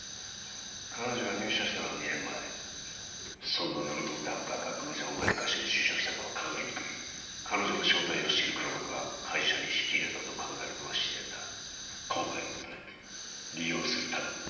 彼女が入社したのは２年前そんな名の通ったハッカーが偶然お前の会社に就職したとは考えにくい彼女の正体を知る黒幕が会社に引き入れたと考えるのが自然だ今回のことで利用するためにな